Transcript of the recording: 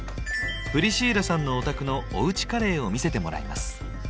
プリシーラさんのお宅のおうちカレーを見せてもらいます。